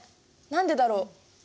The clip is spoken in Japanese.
何でだろう。